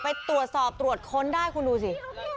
ไปตรวจสอบตรวจค้นได้คุณดูสิ